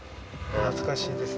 懐かしいですね